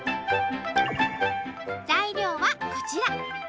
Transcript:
材料はこちら。